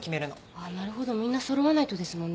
あっなるほどみんなそろわないとですもんね。